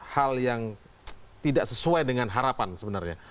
hal yang tidak sesuai dengan harapan sebenarnya